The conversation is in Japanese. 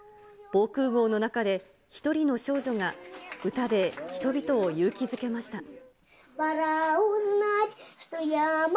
防空ごうの中で、一人の少女が歌で人々を勇気づけました。